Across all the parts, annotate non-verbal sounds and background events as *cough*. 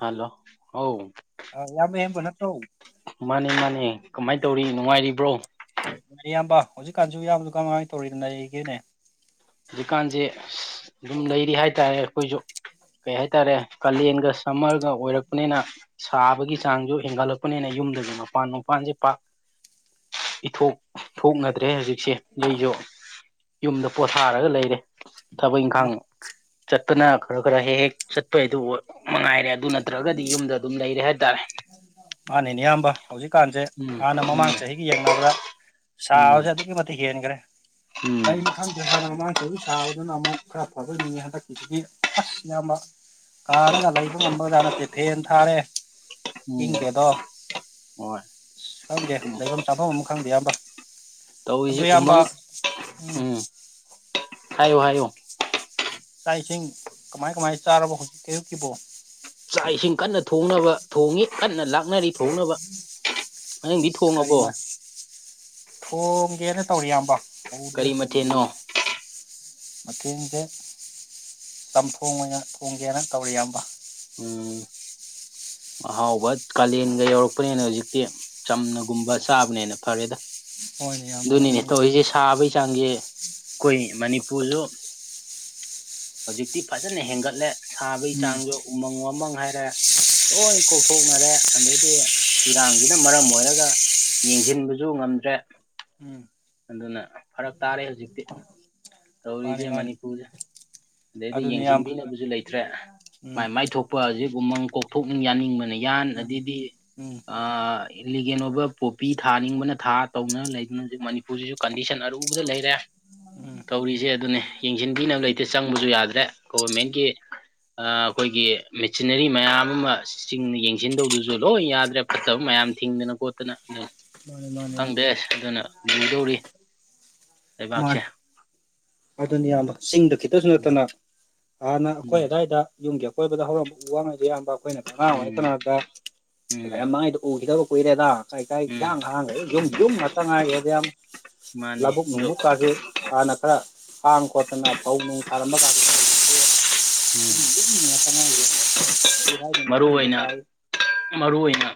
hello ꯍ ꯏꯌꯥꯝꯕ ꯏꯌꯥꯝꯕ ꯍꯦꯝꯕ ꯅꯠꯇ꯭ꯔꯣ ꯃꯥꯅꯦ ꯃꯥꯅꯦ ꯀꯃꯥꯏꯅ ꯇꯧꯔꯤ ꯅꯨꯡꯉꯥꯏꯔꯤꯕ꯭ꯔꯣ ꯏꯌꯥꯝꯕ ꯍꯧꯖꯤꯛꯀꯥꯟꯁꯨ ꯏꯌꯥꯝꯕꯗ ꯀꯉꯥꯏꯅ ꯇꯧꯔꯤꯗꯅꯔꯤꯒꯦꯅꯦ ꯍꯧꯖꯤꯛꯀꯥꯟꯁꯦ ꯑꯗꯨꯝ ꯂꯩꯔꯤ ꯍꯥꯏꯇꯥꯔꯦ ꯑꯩꯈꯣꯏꯁꯨ ꯀꯩ ꯍꯥꯏꯇꯥꯔꯦ ꯀꯥꯂꯦꯟꯒ ꯁꯝꯃꯔꯒ ꯑꯣꯏꯔꯛꯄꯅꯤꯅ ꯁꯥꯕꯒꯤ ꯆꯥꯡꯁꯨ ꯍꯦꯟꯒꯠꯂꯛꯄꯅꯤꯅ ꯌꯨꯝꯗꯒꯤ ꯃꯄꯥꯟ ꯃꯄꯥꯟꯁꯦ ꯄꯥꯛ *unintelligible* ꯏꯊꯣꯛ ꯊꯣꯛꯅꯗ꯭ꯔꯦ ꯍꯧꯖꯤꯛ ꯑꯩꯁꯦ ꯑꯩꯁꯨ ꯌꯨꯝꯗ ꯄꯣꯊꯥꯔꯒ ꯂꯩꯔꯦ ꯊꯕꯛ ꯏꯪꯈꯥꯡ ꯆꯠꯇꯅ ꯈꯔ ꯈꯔ ꯍꯦꯛ ꯍꯦꯛ ꯆꯠꯄꯩꯗꯨ ꯃꯉꯥꯏꯔꯦ ꯑꯗꯨ ꯅꯠꯇ꯭ꯔꯒꯗꯤ ꯌꯨꯝꯗ ꯑꯗꯨꯝ ꯂꯩꯔꯦ ꯍꯥꯏꯇꯥꯔꯦ ꯃꯥꯅꯦꯅꯦ ꯏꯌꯥꯝꯕ ꯍꯧꯖꯤꯛꯀꯥꯟꯁꯦ ꯎꯝ ꯍꯥꯟꯅ ꯃꯃꯥꯡ ꯎꯝ ꯆꯍꯤꯒ ꯌꯦꯡꯅꯕꯗ ꯎꯝ ꯁꯥꯎꯕꯁꯦ ꯑꯗꯨꯛꯀꯤ ꯃꯇꯤꯛ ꯍꯦꯟꯈ꯭ꯔꯦ ꯎꯝ ꯀꯩꯅꯣ ꯈꯪꯗꯦ ꯍꯥꯟꯅ ꯃꯃꯥꯡ ꯆꯍꯤ ꯑꯗꯨꯅ ꯑꯃꯨꯛ ꯈꯔ ꯐꯖꯅꯤꯡꯉꯤ ꯍꯟꯗꯛꯀꯤꯁꯤꯗꯤ ꯑꯁ ꯏꯌꯥꯝꯕ ꯀꯥꯔꯒ ꯂꯩꯕ ꯉꯝꯕꯖꯥꯠ ꯅꯠꯇꯦ ꯐꯚꯦꯟ ꯊꯥꯔꯦ ꯎꯝ ꯏꯪꯗꯦꯗꯣ ꯍꯣꯏ ꯈꯪꯗꯦ ꯎꯝ ꯂꯩꯐꯝ ꯆꯥꯐꯝ ꯑꯃ ꯈꯪꯗꯦ ꯑꯝꯕ ꯑꯗꯨ ꯇꯧꯔꯤꯁꯦ ꯏꯌꯥꯝꯕ ꯎꯃꯪ ꯎꯝ ꯍꯥꯏꯌꯣ ꯍꯥꯏꯌꯣ ꯆꯥꯛ ꯏꯁꯤꯡ ꯀꯃꯥꯏ ꯀꯃꯥꯏ ꯆꯥꯔꯕ ꯍꯧꯖꯤꯛ ꯀꯌꯨꯛꯀꯤꯕꯣ ꯆꯥꯛ ꯏꯁꯤꯡ ꯀꯟꯅ ꯊꯣꯡꯅꯕ ꯊꯣꯡꯉꯤ ꯀꯟꯅ ꯂꯥꯛꯅꯔꯤ ꯊꯣꯡꯅꯕ ꯅꯪꯗꯤ ꯊꯣꯡꯉꯕꯣ ꯀꯔꯤꯃ ꯊꯣꯡꯒꯦꯅ ꯇꯧꯔꯤ ꯑꯕꯣ ꯍꯧꯗꯤ ꯀꯔꯤ ꯇꯣꯗ꯭ꯔꯤ ꯃꯊꯦꯜꯅꯣ ꯃꯇꯦꯡꯁꯦ ꯆꯝꯊꯣꯡꯉꯅ ꯊꯣꯡꯒꯦꯅ ꯇꯧꯔꯤ ꯌꯥꯝꯕ ꯎꯝ ꯑꯍꯥꯎꯕ ꯀꯥꯂꯦꯟꯒ ꯌꯧꯔꯛꯄꯅꯦꯅ ꯍꯧꯖꯤꯛꯇꯤ ꯆꯝꯅꯒꯨꯝꯕ ꯆꯥꯕꯅꯦꯅ ꯐꯔꯦꯗ ꯍꯣꯏꯅꯦ ꯏꯌꯥꯝꯕ ꯑꯗꯨꯅꯤꯅꯦ ꯑꯗꯨꯅꯤ ꯎꯝ ꯇꯧꯖꯤꯁꯦ ꯁꯥꯕꯩ ꯆꯥꯡꯁꯦ ꯑꯩꯈꯣꯏ ꯃꯅꯤꯄꯨꯔꯁꯨ ꯍꯧꯖꯤꯛꯇꯤ ꯐꯖꯅ ꯍꯦꯟꯒꯠꯂꯦ ꯁꯥꯕꯩ ꯆꯥꯡꯁꯨ ꯎꯃꯪ ꯋꯥꯃꯪ ꯍꯥꯏꯔꯦ ꯂꯣꯏ ꯀꯣꯛꯊꯣꯛꯅꯔꯦ ꯑꯗꯩꯗꯤ ꯏꯔꯥꯡꯁꯤꯅ ꯃꯔꯝ ꯑꯣꯏꯔꯒ ꯌꯦꯡꯁꯤꯟꯕꯁꯨ ꯉꯝꯗ꯭ꯔꯦ ꯎꯝ ꯑꯗꯨꯅ ꯐꯔꯛ ꯇꯥꯔꯦ ꯍꯨꯖꯤꯛꯇꯤ ꯃꯥꯅꯤ ꯇꯧꯔꯤꯁꯦ ꯃꯥꯅꯤ ꯃꯅꯤꯄꯨꯔꯁꯦ ꯑꯗꯩꯗꯤ ꯑꯗꯨꯅꯤ ꯏꯌꯥꯝꯕ ꯌꯦꯡꯁꯤꯟꯕꯤꯅꯕꯁꯨ ꯂꯩꯇ꯭ꯔꯦ ꯎꯝ ꯃꯥꯏ ꯃꯥꯏ ꯊꯣꯛꯄ ꯍꯧꯖꯤꯛ ꯎꯃꯪ ꯀꯣꯛꯊꯣꯛꯅꯤꯡ ꯌꯥꯅꯤꯡꯕꯅꯤ ꯌꯥꯟ ꯎꯝ ꯑꯗꯩꯩꯏꯗꯤ ꯎꯝ ꯑ ꯏꯂꯤꯒꯦꯟ ꯑꯣꯏꯕ ꯄꯣꯄꯤ ꯊꯥꯅꯤꯡꯕꯅ ꯊꯥ ꯇꯧꯅ ꯂꯩꯗꯨꯅ ꯍꯧꯖꯤꯛ ꯃꯅꯤ ꯄꯨꯁꯤꯁꯨ ꯀꯟꯗꯤꯁꯟ ꯑꯔꯨꯕꯗ ꯂꯩꯔꯦ ꯎꯝ ꯇꯧꯔꯤꯁꯦ ꯑꯗꯨꯅꯦ ꯌꯦꯡꯁꯤꯟꯕꯤꯅꯕ ꯂꯩꯇꯦ ꯆꯪꯕꯁꯨ ꯌꯥꯗ꯭ꯔꯦ ꯒꯣꯚꯔꯃꯦꯟꯒꯤ ꯑꯈꯣꯏꯒꯤ ꯃꯦꯆꯤꯟꯅꯔꯤ ꯃꯌꯥꯝ ꯑꯃ ꯆꯁꯤꯡꯅ ꯌꯦꯡꯁꯤꯟꯗꯧꯗꯨꯁꯨ ꯂꯣꯏ ꯌꯥꯗ꯭ꯔꯦ ꯐꯠꯇꯕ ꯃꯌꯥꯝ ꯌꯥꯝ ꯊꯤꯡꯗꯅ ꯈꯣꯠꯇꯅ ꯑꯗꯨꯝ ꯃꯥꯅꯦ ꯃꯥꯅꯦ ꯏꯌꯥꯝꯕ ꯈꯪꯗꯦꯁ ꯑꯗꯨꯅ ꯂꯨꯗꯧꯔꯤ ꯂꯩꯕꯥꯛꯁꯦ ꯃꯥꯅꯤ ꯑꯗꯨꯅꯤ ꯌꯥꯝꯕ ꯆꯤꯡꯗ ꯈꯤꯇꯁꯨ ꯎꯝ ꯅꯠꯇꯅ ꯍꯥꯟꯅ ꯑꯩꯈꯣꯏ ꯎꯝ ꯑꯋꯥꯏꯗ ꯌꯨꯝꯒꯤ ꯑꯀꯣꯏꯕꯗ ꯍꯧꯔꯝꯕ ꯎ ꯋꯥꯉꯩꯗ ꯌꯥꯝ ꯑꯩꯈꯣꯏꯅ ꯀ ꯑꯉꯥꯡ ꯎꯝ ꯑꯣꯏꯔꯤ ꯀꯅꯥꯗ ꯎꯝ ꯂꯩꯔꯝ ꯃꯥꯏꯗ ꯎꯈꯤꯗꯕ ꯀꯨꯏꯔꯦꯗ ꯀꯩ ꯀꯥꯏ ꯏ ꯎꯝ ꯍꯥꯡꯈꯦ ꯌꯨꯝ ꯌꯨꯝ ꯉꯥꯛꯇ ꯉꯥꯏꯒꯦꯗꯤ ꯌꯥꯝ ꯃꯥꯅꯦ ꯗꯣ ꯀꯥꯁꯦ ꯍꯥꯟꯅ ꯈꯔ ꯍꯥꯡ ꯈꯣꯠꯇꯅ ꯐꯧ ꯅꯨꯡ ꯊꯥꯔꯝꯕ ꯀꯁꯤ ꯎꯝ ꯀꯔꯤ ꯍꯥꯏꯗꯣꯏꯅꯣ ꯃꯔꯨ ꯈꯪꯗ꯭ꯔꯦ ꯑꯣꯏꯅ ꯁꯥꯕꯁꯤ ꯃꯔꯨ ꯑꯣꯏꯅ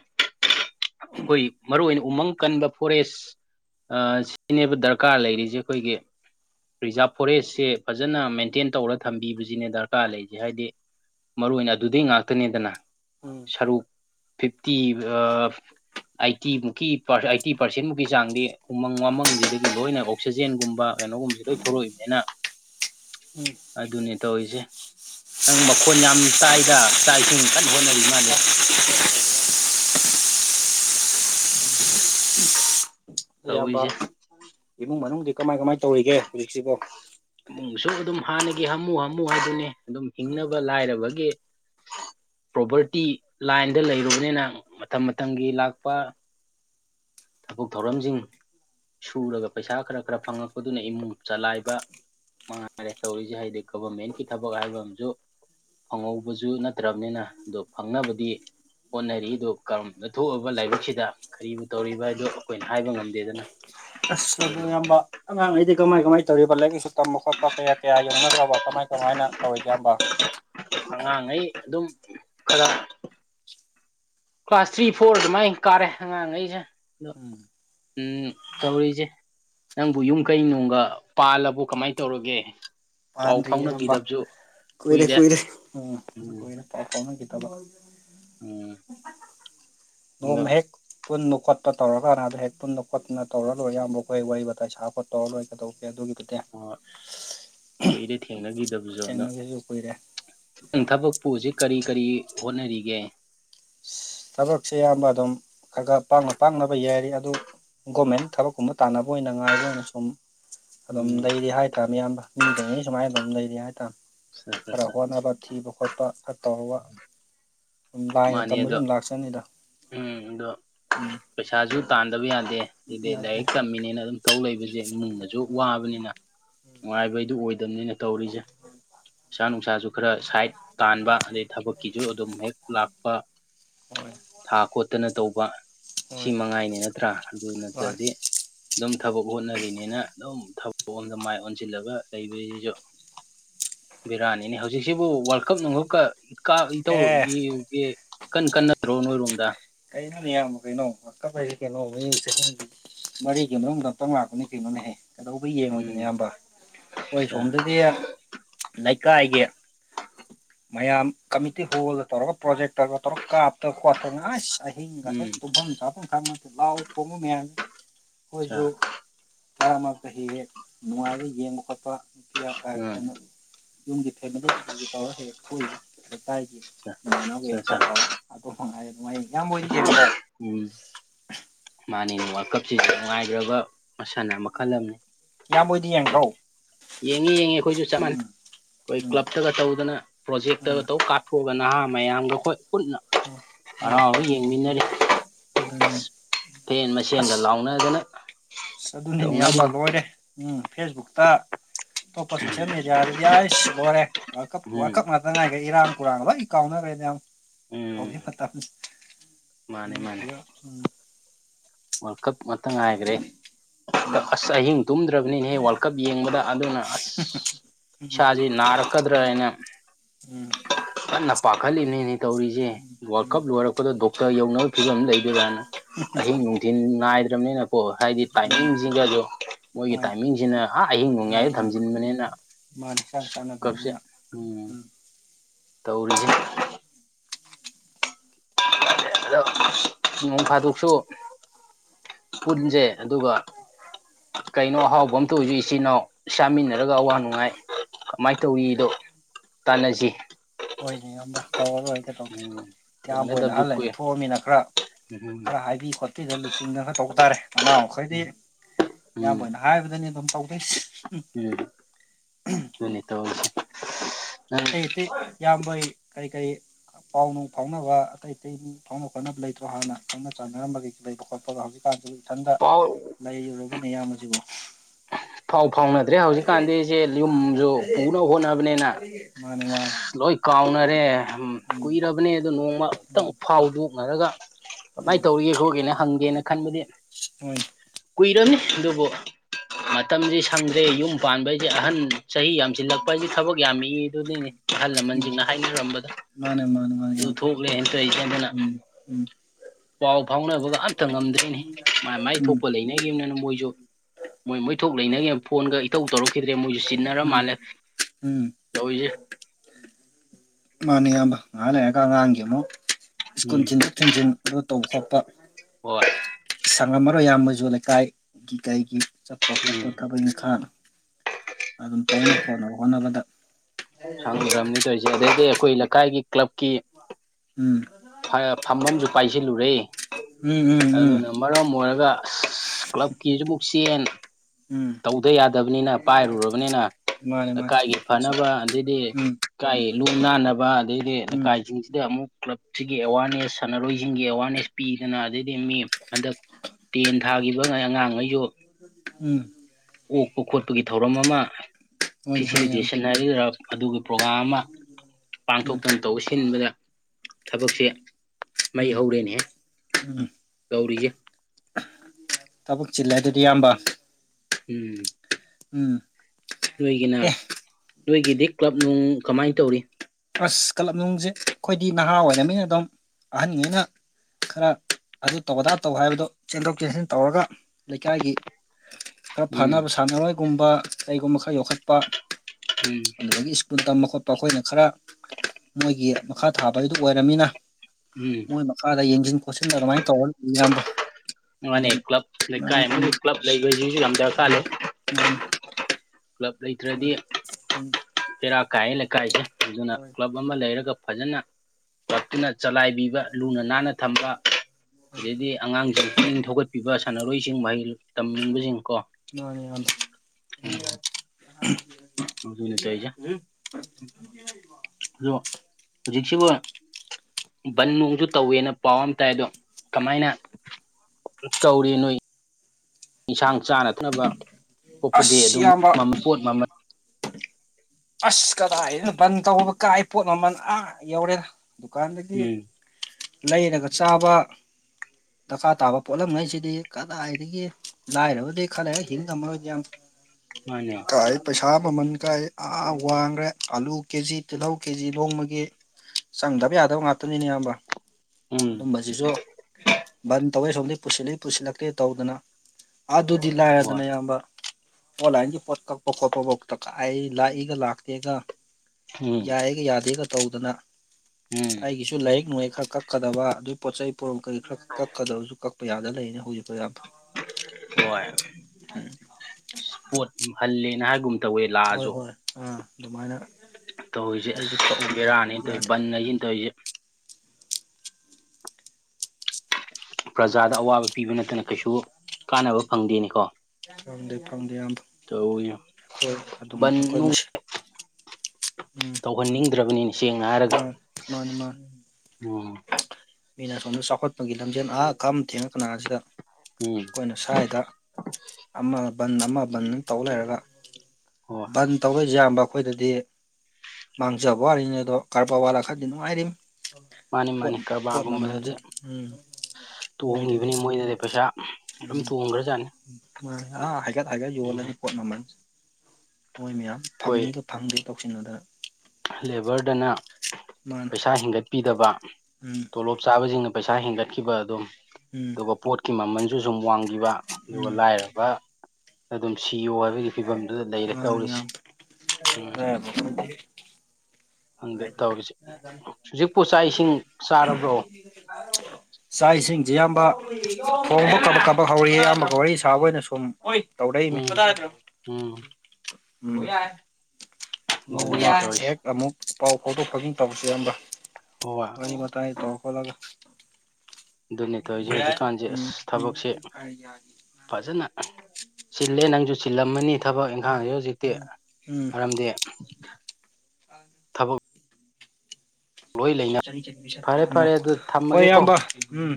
ꯑꯈꯣꯏ ꯃꯔꯨꯏ ꯑꯣꯏꯅ ꯎꯃꯪ ꯀꯟꯕ ꯐꯣꯔꯦꯁ ꯁꯤꯅꯦꯕ ꯗꯔꯀꯥꯔ ꯂꯩꯔꯤꯁꯦ ꯑꯩꯈꯣꯏꯒꯤ ꯔꯤꯖꯥꯚ ꯐꯣꯔꯦꯁꯁꯦ ꯐꯖꯅ ꯃꯦꯟꯇꯦꯟ ꯇꯧꯔ ꯊꯝꯕꯤꯕꯁꯤꯅꯦ ꯗꯔꯀꯥꯔ ꯂꯩꯁꯦ ꯍꯥꯏꯗꯤ ꯃꯔꯨ ꯑꯣꯏꯅ ꯑꯗꯨꯗꯩ ꯉꯥꯛꯇꯅꯦꯗꯅ ꯎꯝ ꯁꯔꯨꯛ ꯐꯤꯐꯇꯤ ꯑ ꯑꯥꯏꯇꯤꯃꯨꯛꯀꯤ ꯑꯥꯏꯇꯤ ꯄꯥꯔꯁꯦꯟꯃꯨꯛꯀꯤ ꯆꯥꯡꯗꯤ ꯎꯃꯪ ꯋꯥꯃꯪꯁꯤꯗꯒꯤ ꯂꯣꯏꯅ ꯑꯣꯛꯁꯤꯖꯦꯟꯒꯨꯝꯕ ꯀꯩꯅꯣꯒꯨꯝꯕꯁ ꯂꯣꯏ ꯊꯣꯛꯂꯛꯏꯅꯤꯅ *unintelligible* ꯑꯗꯨꯅꯦ ꯇꯧꯔꯤꯁꯦ ꯅꯪ ꯃꯈꯣꯟ ꯌꯥꯝ ꯇꯥꯏꯗ ꯆꯥꯛ ꯏꯁꯤꯡ ꯀꯟꯅ ꯍꯣꯠꯅꯔꯤ ꯃꯥꯂꯤ *unintelligible* *unintelligible* ꯇꯧ ꯋꯤꯁꯦ ꯑꯌꯥꯝꯕ ꯏꯃꯨꯡ ꯃꯅꯨꯡꯗꯤ ꯀꯃꯥꯏ ꯀꯃꯥꯏ ꯇꯧꯔꯤꯒꯦ ꯍꯨꯖꯤꯛꯁꯤꯕꯣ ꯨꯏꯃꯨꯡꯁꯨ ꯑꯗꯨꯝ ꯍꯥꯟꯅꯒꯤ ꯍꯥꯝꯃꯨ ꯍꯥꯝꯃꯨ ꯍꯥꯏꯗꯨꯅꯤ ꯑꯗꯨꯝ ꯍꯤꯡꯅꯕ ꯂꯥꯏꯔꯕꯒꯤ ꯄ꯭ꯔꯣꯚꯔꯇꯤ ꯂꯥꯏꯟꯗ ꯂꯩꯔꯨꯕꯅꯤꯅ ꯃꯇꯝ ꯃꯇꯝꯒꯤ ꯂꯥꯛꯄ ꯊꯕꯛ ꯊꯧꯔꯝꯁꯤꯡ ꯁꯨꯔꯒ ꯄꯩꯁꯥ ꯈꯔ ꯈꯔ ꯐꯪꯉꯛꯄꯗꯨꯅ ꯏꯃꯨꯡ ꯆꯂꯥꯏꯕ ꯃꯉꯥꯏꯔꯦ ꯇꯧꯔꯤꯁꯦ ꯍꯥꯏꯗꯤ ꯒꯚꯔꯃꯦꯟꯀꯤ ꯊꯕꯛ ꯍꯥꯏꯕ ꯑꯝꯁꯨ ꯐꯪꯍꯧꯕꯁꯨ ꯅꯠꯇ꯭ꯔꯝꯅꯤꯅ ꯑꯗꯣ ꯐꯪꯅꯕꯗꯤ ꯍꯣꯠꯅꯔꯤ ꯗꯣ ꯀꯔꯝꯅ ꯊꯣꯛꯑꯕ ꯂꯥꯏꯕꯛꯁꯤꯗ ꯀꯔꯤꯃꯨ ꯇꯧꯔꯤꯕ ꯍꯥꯏꯗꯣ ꯑꯈꯣꯏꯅ ꯍꯥꯏꯕ ꯉꯝꯗꯦꯗꯅ ꯑꯁ ꯑꯗꯨ ꯌꯥꯝꯕ ꯑꯉꯥꯡ ꯑꯩꯗꯤ ꯀꯃꯥꯏ ꯀꯃꯥꯏꯅ ꯇꯧꯔꯤꯕ ꯂꯥꯏꯛ ꯂꯥꯏꯁꯨ ꯇꯝꯕ ꯈꯣꯠꯄ ꯀꯌꯥ ꯀꯌꯥ ꯌꯧꯅꯈ꯭ꯔꯕ ꯀꯃꯥꯏ ꯀꯃꯥꯏꯅ ꯇꯧꯔꯤꯒꯦ ꯌꯝꯕ *unintelligible* ꯑꯉꯥꯡꯩ ꯑꯗꯨꯝ ꯀ ꯀ꯭ꯂꯥꯁ ꯊ꯭ꯔꯤ ꯐꯣꯔ ꯑꯗꯨꯃꯥꯏ ꯀꯥꯔꯦ ꯑꯉꯥꯡꯉꯩꯁꯦ ꯑꯗꯣ ꯎꯝ ꯎꯝ ꯇꯧꯔꯤꯁꯦ ꯅꯪꯕꯨ ꯌꯨꯝ ꯀꯩ ꯅꯨꯡꯒ ꯄꯥꯜꯂꯕꯨ ꯀꯃꯥꯏꯅ ꯇꯧꯔꯒꯦ ꯄꯥꯎ ꯄꯥꯟ꯭ꯗꯔꯤꯌꯦ ꯌꯥꯝꯕꯥ ꯐꯥꯎꯅꯈꯤꯗꯕꯁꯨ ꯀꯨꯏꯔꯦ ꯀꯨꯏꯔꯦ ꯎ ꯎꯝ ꯀꯨꯏꯔꯦ ꯄꯥꯎ ꯐꯥꯎꯅ ꯗꯕ ꯎꯝ ꯑꯗꯣ ꯅꯣꯡꯃ ꯍꯦꯛ ꯄꯨꯟ ꯕ ꯈꯣꯠꯄ ꯇꯧꯔꯀꯥꯟꯗꯣ ꯍꯦꯛ ꯄꯨꯟꯅ ꯈꯣꯠꯇꯅ ꯇꯧꯔ ꯂꯣꯏꯔꯌꯥꯝꯕ ꯑꯩꯈꯣꯏ ꯋꯥꯔꯤ ꯋꯥꯇꯥꯏ ꯁꯥꯥ ꯈꯣꯠꯇꯧꯔ ꯂꯣꯏꯒꯗꯧꯕ ꯑꯗꯨꯒꯤꯗꯨꯗꯤ *unintelligible* ꯀꯨꯏꯗ ꯊꯦꯡꯅꯈꯤꯗꯕꯁꯨ ꯑꯗꯨꯅ ꯀꯨꯏꯔꯦ ꯊꯕꯛꯄꯨꯁꯤ ꯀꯔꯤ ꯀꯔꯤ ꯍꯅꯔꯤꯒꯦ ꯊꯕꯛꯁꯦ ꯑꯌꯥꯝꯕ ꯑꯗꯨꯝ ꯈ ꯈ ꯄꯥꯛꯅ ꯄꯥꯛꯅꯕ ꯌꯥꯏꯔꯤ ꯑꯗꯨ ꯒꯣꯔꯃꯦꯟ ꯊꯕꯛꯀꯨꯝꯕ ꯇꯥꯟꯅꯕ ꯑꯣꯏꯅ ꯉꯥꯏꯕ ꯑꯣꯏꯅ ꯁꯨꯝ ꯑꯗꯨꯝ ꯎꯝ ꯂꯩꯔꯤ ꯍꯥꯏꯇꯥꯥꯔꯦ ꯃꯤꯌꯥꯝꯕ ꯃꯤ ꯂꯩꯅꯤ ꯁꯨꯃꯥꯏꯅ ꯑꯗꯨꯝ ꯂꯩꯔꯤ ꯍꯥꯏꯇꯥꯔꯦ ꯈꯔ ꯍꯣꯠꯅꯕ ꯊꯤꯕ ꯈꯣꯠꯄ ꯈꯔ ꯇꯧꯔꯒ ꯂꯥꯏꯅ ꯃꯥꯅꯦ ꯇꯝꯕ ꯑꯗꯣ ꯁꯨꯝ ꯂꯥꯛ ꯎꯝ ꯑꯗꯣ ꯎꯝ ꯄꯩꯁꯥꯁꯨ ꯇꯥꯟꯗꯕ ꯌꯥꯗꯦ ꯍꯥꯏꯗꯤ ꯌꯥꯗꯦ ꯂꯥꯏꯔꯤꯛ ꯇꯝꯃꯤꯅꯦꯅ ꯑꯗꯨꯝ ꯇꯧ ꯂꯩꯕꯁꯨ ꯏꯃꯨꯡꯗ ꯋꯥꯕꯅꯤꯅ ꯅꯨꯡꯉꯥꯏꯕꯩꯗ ꯑꯣꯏꯗꯕꯅꯤꯅ ꯇꯧꯔꯤꯁꯦ ꯏꯁꯥ ꯅꯨꯡꯁꯥꯁꯨ ꯈꯔ ꯁꯥꯏꯠ ꯇꯥꯟꯕ ꯑꯗꯩ ꯊꯕꯛꯀꯤꯁꯨ ꯑꯗꯨꯝ ꯍꯦꯛ ꯂꯥꯛꯄ ꯍꯣꯏ ꯊꯥ ꯈꯣꯠꯇꯅ ꯇꯧꯕ ꯁꯤ ꯍꯣꯏ ꯃꯉꯥꯏꯅꯤ ꯅꯠꯇ꯭ꯔꯥ ꯑꯗꯨ ꯍꯣꯏ ꯅꯠꯇ꯭ꯔꯗꯤ ꯑꯗꯨꯝ ꯊꯕꯛ ꯍꯣꯠꯅꯔꯤꯅꯤꯅ ꯑꯗꯨꯝ ꯊꯕꯛ ꯑꯣꯝꯗ ꯃꯥꯏ ꯑꯣꯟꯁꯤꯜꯂꯒ ꯂꯩꯕꯁꯤꯁꯨ ꯕꯤꯔꯥꯅꯤꯅꯤ ꯍꯧꯖꯤꯛꯁꯤꯕꯨ ꯋꯥꯔꯜ ꯀꯞ ꯅꯨꯡꯈꯞꯀ ꯀ ꯏꯇꯧ ꯑꯦ ꯀꯟ ꯀꯟꯅꯗ꯭ꯔꯣ ꯅ ꯑꯣꯏꯔꯣ ꯀꯩꯩꯅꯅꯤ ꯌꯥꯝ ꯀꯩꯅꯣ ꯃꯀ ꯀꯩꯅꯣ ꯃꯤ ꯆꯍꯤ ꯃꯔꯤꯒꯤ ꯃꯅꯨꯡꯗ ꯑꯃꯛꯇꯪ ꯂꯥꯛꯄꯅꯤ ꯀꯩꯅꯣꯅꯦꯍꯦ ꯀꯩꯗꯧꯕ ꯌꯦꯡꯉꯣꯏꯗꯅꯦ ꯎꯝ ꯑꯌꯥꯝꯕ ꯍꯣꯏ ꯑꯆꯥ ꯁꯣꯝꯗꯗꯤ ꯂꯩꯀꯥꯏꯒꯤ ꯃꯌꯥꯝ ꯀꯃꯤꯇꯤ ꯍꯣꯜ ꯇꯧꯔꯒ ꯄ꯭ꯔꯣꯖꯦꯛ ꯇꯔ ꯀꯥꯞꯇ ꯈꯣꯠꯇꯅ ꯑꯁ ꯑꯍꯤꯡꯒꯁꯦꯛ ꯎꯝ ꯇꯨꯝꯐꯝ ꯆꯥꯐꯝ ꯈꯥ ꯂꯥꯎ ꯈꯣꯕ ꯃꯌꯥꯝꯅꯤ ꯑꯆꯥ ꯑꯣꯏꯖꯨ ꯃꯔꯛ ꯃꯔꯛꯇ ꯍꯦꯛ ꯍꯦꯛ ꯅꯨꯡꯉꯥꯏꯕ ꯌꯦꯡꯕ ꯈꯣꯠꯄ ꯅꯨꯄꯤ ꯀꯔ ꯎꯝ ꯈꯅꯏ ꯌꯨꯝꯒꯤ ꯐꯦꯃꯤꯂꯤ ꯀ ꯀꯒꯤ ꯇꯧꯔ ꯍꯦꯛ ꯊꯣꯛꯏ ꯂꯩꯀꯥꯏꯒꯤ ꯏꯃꯥꯟꯅꯕ ꯑꯆꯥ ꯔꯧ ꯑꯗꯨꯉꯥꯏ ꯅꯨꯡꯉꯥꯏ ꯏꯌꯥꯝꯕꯣꯏ ꯌꯦꯡꯗ꯭ꯔꯣ ꯃꯥꯅꯤ ꯋꯥꯔꯜꯀꯞꯁꯤꯁꯨ ꯅꯨꯡꯉꯥꯏꯖ꯭ꯔꯕ ꯃꯁꯥꯟꯅ ꯃꯈꯜ ꯑꯃꯅꯤ ꯌꯥꯕꯨꯣꯏꯗꯤ ꯌꯦꯡꯗ꯭ꯔꯣ ꯌꯦꯡꯉꯤ ꯌꯦꯡꯉꯤ ꯑꯩꯈꯣꯏꯁꯨ ꯆꯞ ꯃꯥꯟꯅꯩ ꯎꯝ ꯑꯩꯈꯣꯏ ꯎꯝ ꯀ꯭ꯂꯞꯇꯒ ꯇꯧꯗꯅ ꯄ꯭ꯔꯣꯖꯦꯛꯇꯒ ꯑꯥ ꯇꯧ ꯀꯥꯞꯊꯣꯛꯑꯒ ꯅꯍꯥ ꯃꯌꯥꯝꯗꯣ ꯑꯩꯈꯣꯏ ꯎꯠ ꯍꯔꯥꯎ ꯎꯝ ꯑꯗꯨꯅꯤ ꯐꯦꯟ ꯃꯁꯦꯟꯒ ꯑꯁ ꯂꯥꯎꯅꯗꯅ ꯑꯁ ꯑꯗꯨꯅꯤꯅꯦ ꯏꯌꯥꯝꯕ ꯇꯧꯅꯔꯤꯅꯤ ꯂꯣꯏꯔꯦ ꯎꯝ ꯐꯦꯁꯕꯨꯛꯇ ꯑꯇꯣꯞꯄ ꯁꯣꯁꯦꯜ ꯃꯦꯗꯤꯌꯥꯗꯗꯤ ꯑꯁ ꯂꯣꯏꯔꯦ ꯋꯥꯔꯜ ꯀꯞ ꯋꯥꯔꯜ ꯀꯞ ꯎꯝ ꯉꯥꯛꯇ ꯉꯥꯏ ꯏꯔꯥꯡ ꯄꯨꯔꯥꯡ ꯂꯣꯏ ꯑꯩ ꯀꯥꯎꯅꯈ꯭ꯔꯦꯅꯦ ꯎꯝ ꯍꯧꯖꯤꯛ ꯃꯇꯝ ꯃꯥꯅꯦ ꯑꯗꯨ ꯃꯥꯅꯦ ꯑꯣꯔ ꯎ ꯋꯥꯔꯜ ꯀꯞ ꯑꯃꯇꯪ ꯉꯥꯏꯈ꯭ꯔꯦ ꯎꯝ ꯑꯁ ꯑꯍꯤꯡ ꯇꯨꯝꯗ꯭ꯔꯕꯅꯤꯅꯦꯍꯦ ꯋꯥꯔꯜ ꯀꯞ ꯌꯦꯡꯕꯗ ꯑꯗꯨꯅ ꯑꯁ ꯁꯥꯖꯤ ꯅꯥꯔꯛꯀꯗ꯭ꯔꯥ ꯍꯥꯏꯅ ꯎꯝ ꯄꯥꯈꯠꯂꯤꯅꯤꯅꯦ ꯇꯧꯔꯤꯁꯦ ꯎꯝ ꯋꯥꯔꯜ ꯀꯞ ꯎꯝ ꯂꯣꯏꯔꯛꯄꯗ ꯗꯣꯛꯇꯔ ꯌꯧꯅꯕ ꯐꯤꯕꯝ ꯂꯩꯗꯔꯅ ꯑꯍꯤꯡ ꯅꯨꯡꯊꯤꯤꯟ ꯅꯥꯏꯗ꯭ꯔꯕꯅꯤꯅ ꯑꯣ ꯍꯥꯏꯗꯤ ꯎꯝ ꯇꯥꯏꯃꯤꯡꯁꯤꯡꯒꯁꯨ ꯃꯣꯏꯒꯤ ꯍꯣꯏ ꯇꯥꯏꯃꯤꯡꯁꯤꯅ ꯑ ꯑꯍꯤꯡ ꯅꯣꯡꯌꯥꯏꯗ ꯊꯝꯖꯤꯟꯕꯅꯤꯅ ꯃꯥꯗꯤ ꯆꯥ ꯆꯥꯟꯅꯗꯕꯅꯤꯅ ꯎꯝ ꯇꯧꯔꯤꯖ ꯑ ꯅꯣꯡ ꯐꯥꯗꯣꯛꯁꯨ ꯄꯨꯟꯁꯦ ꯑꯗꯨꯒ ꯀꯩꯅꯣ ꯑꯍꯥꯎꯕ ꯑꯃꯇ ꯑꯣꯏꯁꯨ ꯏꯆꯤ ꯏꯅꯥꯎ ꯆꯥꯃꯤꯟꯅ ꯅꯔꯒ ꯑꯋꯥ ꯅꯨꯡꯉꯥꯏ ꯀꯃꯥꯏꯅ ꯇꯧꯔꯤꯗꯣ ꯇꯥꯟꯅꯁꯤ ꯍꯣꯏꯅꯦ ꯌꯥꯝꯕ ꯇꯧꯔ ꯂꯣꯏꯔꯒꯦ ꯇꯧꯒꯦ ꯎꯝ ꯏꯌꯥꯝꯕ ꯑꯣꯏꯅ ꯊꯦꯡꯅꯗꯕꯁꯨ ꯍꯜꯂꯁꯨ ꯀꯨꯏꯔꯦ ꯊꯣꯛ ꯊꯣꯛꯣꯛꯑꯃꯤꯅ ꯈꯔ ꯎꯝ ꯈꯔ ꯍꯥꯏꯕꯤ ꯈꯣꯠꯄꯤꯗ ꯂꯨꯆꯤꯡꯗ ꯈ ꯇꯧꯕ ꯇꯥꯔꯦ ꯅꯅꯥ ꯃꯈꯩꯗꯤ ꯎꯝ ꯏꯌꯥꯝꯕꯅ ꯎꯝ ꯍꯥꯏꯕꯗꯅꯤ ꯑꯗꯨꯝ ꯇꯧꯗꯣꯏꯁꯦ ꯑꯗꯨꯅꯤꯠꯇꯁ ꯀꯩꯇꯩ ꯌꯥꯝꯕꯣꯏ ꯀꯔꯤ ꯀꯔꯤ ꯄꯥꯎ ꯅꯨꯡ ꯐꯥꯎꯅꯕ ꯑꯇꯩ ꯑꯇꯩ ꯐꯥꯎꯅ ꯈꯣꯠꯅꯕ ꯂꯩꯇ꯭ꯔꯣ ꯍꯥꯟꯅ ꯐꯥꯎꯅ ꯆꯥꯟꯅꯔꯝꯕꯒꯤ ꯂꯩ ꯈꯣꯠꯄꯒ ꯍꯧꯖꯤꯛꯀꯥꯟꯁꯤ ꯏꯊꯟꯇ ꯄꯥꯎ ꯂꯩꯔꯨꯔꯕꯅꯤ ꯏꯌꯥꯝꯕꯁꯤꯕꯨ ꯐꯥꯎ ꯐꯥꯎꯅꯗ꯭ꯔꯦ ꯍꯧꯖꯤꯛꯀꯥꯟꯗꯤꯁꯦ ꯌꯨꯝꯁꯨ ꯄꯨꯅꯕ ꯍꯣꯠꯅꯕꯅꯤꯅ ꯃꯥꯅꯦ ꯃꯥꯅꯦ ꯂꯣꯏ ꯀꯥꯎꯅꯔꯦ ꯎꯝ ꯀꯨꯏꯔꯕꯅꯦ ꯑꯗ ꯎꯝ ꯅꯣꯡꯃ ꯨꯛꯇꯪ ꯐꯥꯎꯗꯣꯛꯅꯔꯒ ꯎꯝ ꯀꯃꯥꯏꯅ ꯇꯧꯔꯤꯒꯦ ꯈꯣꯠꯒꯦꯅ ꯍꯪꯒꯦꯅ ꯈꯟꯕꯗꯤ ꯍꯣꯏ ꯀꯨꯏꯔꯅꯤ ꯑꯗꯨꯕꯨ ꯃꯇꯝꯁꯤ ꯁꯪꯗ꯭ꯔꯦ ꯌꯨꯝ ꯄꯥꯟꯕꯩꯁꯦ ꯑꯍꯟ ꯆꯍꯤ ꯌꯥꯝꯁꯤꯜꯂꯛꯄ ꯍꯥꯏꯁꯤ ꯊꯕꯛ ꯌꯥꯝꯃꯛꯏ ꯑꯗꯨꯅꯤꯅꯤ ꯑꯍꯜ ꯎꯝ ꯂꯃꯟꯁꯤꯡꯅ ꯍꯥꯏꯅꯔꯝꯕꯗ ꯃꯥꯅꯦ ꯃꯥꯅꯦ ꯃꯥꯅꯦ ꯑꯗꯨ ꯏꯌꯥꯝꯕ ꯊꯣꯛꯂꯦ ꯍꯦꯇ ꯑꯩꯁꯦꯟꯗꯅ ꯎꯝ ꯎꯝ ꯄꯥꯎ ꯐꯥꯎꯅꯕꯒ ꯑꯝꯇ ꯉꯝꯗ꯭ꯔꯦꯅꯤ ꯃꯥꯏ ꯃꯥꯏ ꯎꯝ ꯊꯣꯛꯄ ꯂꯩꯅꯈꯤꯕꯈꯤꯕꯅꯤꯅ ꯃꯣꯏꯁꯨ ꯃꯣꯏ ꯃꯣꯏ ꯏꯊꯊꯧ ꯂꯩꯅꯒꯅ ꯐꯣꯟꯒ ꯏꯊꯧꯧ ꯇꯧꯔꯛꯈꯤꯗ꯭ꯔꯦ ꯃꯣꯏꯁꯨ ꯁꯤꯟꯅꯔ ꯎꯝ ꯃꯥꯜꯂꯦ ꯎꯝ ꯇꯧꯔꯤꯁꯦ ꯃꯥꯅꯦ ꯏꯌꯥꯝꯕ ꯉꯥꯏꯍꯥꯛ ꯂꯩꯔꯒ ꯑꯉꯥꯡꯒꯤ ꯑꯃꯨꯛ ꯁ꯭ꯀꯨꯜ ꯎꯝ ꯊꯤꯟꯗꯣꯛ ꯊꯤꯟꯖꯤꯟ ꯑꯗꯨ ꯇꯧꯕ ꯈꯣꯠꯄ ꯍꯣꯏ ꯁꯪꯉꯝꯃꯔꯣꯏ ꯌꯥꯝꯃꯖꯨ ꯂꯩꯀꯥꯏꯒꯤ ꯀꯩꯒꯤ ꯆꯠꯄ ꯈꯣꯠꯄ ꯎꯝ ꯊꯕꯛ ꯏꯈꯥ ꯑꯗꯨꯝ ꯇꯧꯅ ꯈꯣꯠꯅ ꯍꯣꯠꯅꯕꯗ ꯌꯥꯏ ꯌꯥꯏ ꯁꯪꯗ꯭ꯔꯕꯅꯤ ꯇꯧꯔꯤꯁꯦ ꯑꯗꯩꯗꯤ ꯑꯩꯈꯣꯏ ꯂꯩꯀꯥꯏꯒꯤ ꯀ꯭ꯂꯕꯀꯤ ꯎꯝ ꯐꯝꯐꯝꯁꯨ ꯄꯥꯏꯁꯤꯜꯂꯨꯔꯦ ꯎꯝ ꯎꯝ ꯎꯝ ꯑꯗꯨꯅ ꯃꯔꯝ ꯑꯣꯏꯔꯒ ꯑꯁ ꯀ꯭ꯂꯕꯀꯤꯁꯨꯃꯨꯛ ꯆꯦꯟ ꯎꯝ ꯇꯧꯗ ꯌꯥꯗꯕꯅꯤꯅ ꯄꯥꯏꯔꯨꯔꯕꯅꯤꯅ ꯃꯥꯅꯦ ꯃꯥꯅꯦ ꯂꯩꯀꯥꯏꯒꯤ ꯐꯅꯕ ꯑꯗꯨꯗꯩꯗꯤ ꯎꯝ ꯂꯩꯀꯥꯏ ꯂꯨ ꯅꯥꯟꯅꯕ ꯑꯗꯩꯗꯤ ꯎꯝ ꯂꯩꯀꯥꯏꯁꯤꯡꯁꯤꯗ ꯑꯃꯨꯛ ꯄꯨꯂꯞ ꯁꯤꯒꯤ ꯑꯦꯋꯥꯔꯅꯦꯁ ꯁꯥꯟꯅꯔꯣꯏꯁꯤꯡꯒꯤ ꯑꯦꯋꯥꯔꯅꯦꯁ ꯄꯤꯗꯅ ꯑꯗꯩꯗꯤ ꯃꯤ ꯍꯟꯗꯛ ꯇꯦꯟ ꯊꯥꯈꯤꯕ ꯉꯩ ꯑꯉꯥꯡꯉꯩꯁꯨ ꯎꯝ ꯑꯣꯛꯄ ꯈꯣꯠꯄꯒꯤ ꯊꯧꯔꯝ ꯑꯃ ꯍꯣꯏꯅꯦ ꯍꯣꯏꯅꯦ ꯏꯌꯥꯝꯕ ꯐꯤꯁꯤꯂꯤꯇꯦꯁꯟ ꯍꯥꯏꯒꯗꯔꯥ ꯑꯗꯨꯒ ꯄ꯭ꯔꯣꯒꯥꯝ ꯑꯃ ꯎꯝ ꯄꯥꯡꯊꯣꯛꯇꯅ ꯇꯧꯕ ꯁꯤꯟꯕꯗ ꯊꯕꯛꯁꯦ ꯃꯩ ꯎꯝ ꯍꯧꯔꯦꯅꯦꯍ ꯎꯝ ꯀꯧꯔꯤꯁꯦ ꯊꯕꯛ ꯆꯤꯜꯂꯦ ꯑꯗꯨꯗꯤ ꯏꯌꯥꯝꯕ ꯎꯝ ꯎꯝ ꯅꯣꯏꯒꯤꯅ ꯑꯦ ꯅꯣꯏꯒꯤꯗꯤ ꯀ꯭ꯂꯕ ꯅꯨꯡ ꯀꯃꯥꯏꯅ ꯇꯧꯔꯤ ꯑꯁ ꯀꯂꯞꯅꯨꯡꯁꯦ ꯑꯩꯈꯣꯏꯗꯤ ꯅꯍꯥ ꯑꯣꯏꯔꯕꯃꯤꯅ ꯑꯗꯨꯝ ꯑꯍꯟꯉꯩꯅ ꯈꯔ ꯑꯗꯨ ꯇꯧꯗꯥ ꯇꯧ ꯍꯥꯏꯕꯗꯨ ꯆꯦꯟꯊꯣꯛ ꯆꯦꯟꯁꯤꯟ ꯇꯧꯔꯒ ꯂꯩꯀꯥꯏꯒꯤ ꯈꯔ ꯎꯝ ꯐꯅꯕ ꯁꯥꯟꯅꯔꯣꯏꯒꯨꯝꯕ ꯀꯩꯒꯨꯝꯕ ꯈꯔ ꯌꯣꯛꯈꯠꯄ ꯎꯝ ꯑꯗꯨꯗꯒꯤ ꯁ꯭ꯀꯨꯜ ꯇꯝꯕ ꯈꯣꯠꯄ ꯑꯩꯈꯣꯏꯅ ꯈꯔ ꯃꯣꯏꯒꯤ ꯃꯈꯥ ꯊꯥꯕ ꯍꯥꯏꯗꯨ ꯑꯣꯏꯔꯝꯃꯤꯅ ꯎꯝ ꯃꯣꯏ ꯃꯈꯥꯗ ꯌꯦꯡꯁꯤꯟ ꯈꯣꯠꯁꯤꯤꯟ ꯑꯗꯨꯃꯥꯏꯅ ꯇꯧꯔ ꯏꯌꯥꯝꯕ ꯃꯥꯅꯦ ꯑꯗꯨꯝ ꯀ꯭ꯂꯕ ꯂꯩꯀꯥꯏ ꯑꯃ ꯎꯝ ꯀ꯭ꯂꯕ ꯂꯩꯕꯣꯏꯁꯤꯁꯨ ꯌꯥꯝ ꯗꯔꯀꯥꯔ ꯎꯝ ꯂꯩ ꯃꯥꯅꯤ ꯀ꯭ꯂꯕ ꯎꯝ ꯎꯝ ꯔꯥ ꯀꯥꯏꯌꯦ ꯂꯩꯀꯥꯏꯁꯦ ꯑꯗꯨꯅ ꯍꯣꯏ ꯀ꯭ꯂꯕ ꯑꯃ ꯂꯩꯔꯒ ꯐꯖꯅ ꯀꯛꯇꯨꯅ ꯆꯂꯥꯏꯕꯤꯕ ꯂꯨꯅ ꯅꯥꯟꯅ ꯊꯝꯕ ꯎꯝ ꯑꯗꯩꯗꯤ ꯑꯉꯥꯡꯁꯤꯡ ꯄꯨꯛꯅꯤꯡ ꯊꯧꯒꯠꯄꯤꯕ ꯁꯥꯟꯅꯔꯣꯏꯁꯤꯡ ꯃꯍꯩ ꯇꯝꯅꯤꯡꯕꯁꯤꯡ ꯀꯣ ꯌꯥꯅꯦ ꯅꯠꯇ ꯑꯩꯖ ꯑꯗꯣ ꯍꯧꯖꯤꯛꯁꯤꯕꯨ ꯕꯟ ꯅꯨꯡꯁꯨ ꯇꯧꯋꯦꯅ ꯄꯥꯎ ꯑꯃ ꯇꯥꯏ ꯑꯗꯣ ꯀꯃꯥꯏꯅ ꯇꯧꯔꯤ ꯅꯣꯏ ꯏꯟꯁꯥꯡ ꯆꯥꯅ ꯊꯛꯅꯕ ꯈꯣꯠꯄꯗꯤ ꯑꯁ ꯑꯗꯨꯝ ꯏꯌꯥꯝꯕ ꯄꯣꯠ ꯃꯃ ꯑꯁ ꯀꯗꯥꯏꯣ ꯕꯟ ꯇꯧꯕꯕ ꯀꯥꯏ ꯄꯣꯠ ꯃꯃꯜ ꯑꯥ ꯌꯧꯔꯦꯅ ꯗꯨꯀꯥꯟꯗꯒꯤ ꯎꯝ ꯂꯩꯔꯒ ꯆꯥꯕ ꯗꯔꯀꯥꯔ ꯇꯥꯕ ꯄꯣꯠꯂꯝꯉꯩꯁꯤꯗꯤ ꯀꯗꯥꯏꯗꯒꯤ ꯂꯥꯏꯔꯕꯗꯤ ꯈꯜꯔꯂꯦ ꯍꯤꯜ ꯉꯝꯃꯔꯣꯏꯗꯤ ꯌꯥꯝ ꯃꯥꯅꯦ ꯀꯥꯏ ꯄꯩꯁꯥ ꯃꯃꯟ ꯀꯥꯏ ꯑꯥ ꯋꯥꯡꯈ꯭ꯔꯦ ꯑꯂꯨ ꯀꯦꯖꯤ ꯇꯤꯜꯍꯧ ꯀꯦꯖꯤ ꯅꯣꯡꯃꯒꯤ ꯁꯪꯗꯕꯤ ꯌꯥꯗꯕ ꯉꯥꯛꯇꯅꯤꯅꯤꯕ ꯎꯝ ꯑꯗꯨꯝꯕꯁꯤꯁꯨ ꯕꯟ ꯇꯧꯋꯦ ꯁꯨꯝꯗꯤ ꯄꯨꯁꯤꯜꯂꯤ ꯄꯨꯁꯤꯜꯂꯛꯇꯦ ꯇꯧꯗꯅ ꯑꯗꯨꯗꯤ ꯍꯣꯏ ꯂꯗꯅ ꯌꯥꯝꯕ ꯑꯣꯂꯥꯏꯒꯤ ꯄ ꯇꯛꯄ ꯈꯣꯠꯄꯄ ꯇꯀ ꯍꯥꯏ ꯂꯥꯛꯏꯒ ꯂꯥꯛꯇꯦꯒ ꯎꯝ ꯌꯥꯌꯦꯒ ꯌꯥꯗꯦꯒ ꯇꯧꯗꯅ ꯎꯝ ꯑꯩꯒꯤꯁꯨ ꯂꯥꯏꯔꯤꯛ ꯅꯨꯡꯉꯥꯏ ꯈꯔ ꯀꯛꯀꯗꯕ ꯑꯗꯨꯩ ꯄꯣꯠꯆꯩ ꯄꯣꯣꯔꯣ ꯀꯔꯤ ꯈꯔ ꯀꯛꯀꯗꯕꯁꯨ ꯀ ꯄꯥꯗ ꯂꯩꯅꯦ ꯍꯧꯖꯤꯥ ꯍꯣꯏ ꯄꯣꯠ ꯍꯜꯂꯦꯅ ꯍꯥꯏꯒꯨꯝ ꯇꯧꯋꯦ ꯍꯣꯏ ꯂꯥꯛꯑꯁꯨ ꯍꯣꯏ ꯑꯥ ꯑꯗꯨꯃꯥꯏꯅ ꯇꯧꯔꯤꯁꯦ ꯑꯩꯁꯨ ꯑꯁ ꯀꯛꯎꯕꯅꯤ ꯕꯤꯔꯥꯅꯤꯅ ꯇꯧꯔꯤ ꯌꯥꯗꯦ ꯕꯟꯁꯤꯅ ꯇꯧꯔꯤꯁꯦ ꯄ꯭ꯔꯖꯥꯗ ꯑꯋꯥꯕ ꯄꯤꯕ ꯅꯠꯇꯅ ꯀꯩꯁꯨ ꯀꯥꯟꯅꯕ ꯐꯪꯗꯦꯅꯤꯀꯣ ꯐꯪꯗꯦ ꯐꯪꯗꯦ ꯑꯌꯥꯝꯕ ꯇꯧꯔꯤ ꯑꯩꯈꯣꯏ ꯑꯗꯨꯝ ꯕꯟ ꯑꯩꯈꯣꯏ ꯃꯁ ꯇꯧꯍꯟꯅꯤꯡꯗ꯭ꯔꯕꯅꯤꯅ ꯁꯦꯡꯅ ꯍꯥꯏꯔꯒ ꯃꯥꯅꯤ ꯃꯥꯅꯤ ꯃꯥꯅꯤ ꯎꯝ ꯃꯤꯅ ꯁꯁꯣꯝꯗ ꯆꯥꯎꯈꯠꯄꯒꯤ ꯂꯝꯖꯦꯜ ꯑꯥ ꯀꯝ ꯊꯦꯡꯅ ꯀꯅꯥꯁꯤꯗ ꯎꯝ ꯑꯩꯈꯣꯏꯅ ꯁ꯭ꯋꯥꯏꯗ ꯑꯃ ꯕꯟ ꯑꯃ ꯕꯟꯅ ꯇꯧ ꯂꯩꯔꯒ ꯍꯣꯏ ꯕꯟ ꯇꯧꯔꯦꯁ ꯌꯥꯝꯕ ꯑꯩꯈꯣꯏꯗꯗꯤ ꯃꯥꯡꯖꯕ ꯋꯥꯔꯤꯅꯤ ꯑꯗꯣ ꯀꯔꯕꯥꯔ ꯋꯥꯠꯂ ꯈꯔꯗꯤ ꯅꯨꯡꯉꯥꯏꯔꯤ ꯃꯥꯅꯤ ꯃꯥꯅꯤ ꯀꯕꯥ ꯃꯃꯟꯖ ꯎꯝ ꯃꯣꯏꯗꯗꯤ ꯇꯣꯡꯉꯕꯅꯤ ꯃꯣꯏꯗꯗꯤ ꯄꯩꯁꯥ ꯑꯗꯨꯝ ꯇꯣꯡꯈ꯭ꯔꯖꯥꯠꯅꯤ ꯍꯥꯏ ꯍꯥꯏ ꯌ ꯋꯥ ꯎꯝ ꯂꯅꯤ ꯄꯣꯠꯅ ꯃ ꯃꯣꯏ ꯃꯌꯥꯝ ꯑꯩꯈꯣꯏ ꯐꯝꯃꯤꯒ ꯐꯪꯗꯦ ꯇꯧꯁꯤꯟꯅꯗꯅ ꯂꯦꯕꯔꯗꯅ ꯃꯥꯅꯤ ꯄꯩꯁꯥ ꯍꯦꯟꯒꯠꯄꯤꯗꯕ ꯎꯝ ꯇꯣꯂꯣꯞ ꯆꯥꯕꯁꯤꯡꯅ ꯄꯩꯁꯥ ꯍꯒꯠ ꯑꯗꯨꯝ ꯎꯝ ꯑꯗꯨꯒ ꯄꯣꯠ ꯃꯃꯜꯁꯨ ꯁꯨꯝ ꯈꯤꯕ ꯑꯗꯨꯒ ꯎꯝ ꯂꯥꯏꯔꯕ ꯑꯗꯨꯝ ꯄꯤꯌꯣ ꯍꯥꯏꯕꯒꯤ ꯐꯤꯕꯝꯗꯨꯗ ꯂꯩꯔꯦ ꯃꯥꯅꯤ ꯇꯧꯔꯤꯁꯦ ꯌꯥꯝ ꯎꯝ ꯈꯪꯗꯦ ꯇꯧꯔꯤꯁꯦ ꯍꯧꯖꯤꯛꯄꯨ ꯆꯥꯛ ꯏꯁꯤꯡ ꯆꯥꯔꯕ꯭ꯔꯣ *unintelligible* ꯂꯥꯏꯁꯤꯡꯁꯤ ꯑꯌꯥꯝꯕ ꯊꯣꯡꯕ ꯀꯕ ꯀꯕꯛ ꯍꯧꯔꯤ ꯑꯌꯥꯝꯕꯒ ꯋꯥꯔꯤ ꯁꯥꯕ ꯑꯣꯏꯅ ꯨꯝ ꯍ ꯇꯧꯔꯛꯏꯅꯦ ꯎꯝ ꯎꯝ ꯌꯥ ꯑꯗꯨꯅꯤꯅꯦ ꯇꯧꯔꯤꯁꯦ ꯍꯦꯛ ꯑꯃꯨꯛ ꯄꯥꯎ ꯐꯥꯎꯗꯣꯛ ꯐꯥꯎꯖꯤꯟ ꯇꯧꯕꯁꯤꯝꯕ꯭ꯔꯥ ꯍꯣꯏ ꯋꯥꯅꯤꯕꯇꯥꯏ ꯇ ꯍꯣꯂꯒ ꯑꯗꯨꯅꯦ ꯇꯧꯔꯤꯁꯦ ꯍꯧꯖꯤꯛꯀꯥꯟꯁꯦ ꯑꯁ ꯎꯝ ꯊꯕꯛꯁꯦ ꯐꯖꯅ ꯁꯤꯤꯜꯂꯦ ꯅꯪꯁꯨ ꯁꯤꯤꯜꯂꯝꯃꯅꯤ ꯊꯕꯛ ꯏꯪꯈꯥꯡꯁꯤꯦ ꯍꯧꯖꯤꯛꯇꯤ ꯎꯝ ꯃꯔꯝꯗꯤ ꯊꯕꯛ ꯂꯣꯏ ꯂꯩꯅ ꯐꯔꯦ ꯐꯔꯦ ꯑꯗꯨ ꯍꯣꯏ ꯊꯝꯃꯒꯦꯀꯣ ꯌꯥꯝꯌꯥꯝꯕ ꯎꯝ